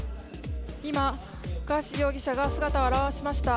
今、ガーシー容疑者が姿を現しました。